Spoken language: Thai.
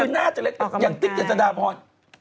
หน้าจะเล็กอย่างติ๊กจันทร์ดาพร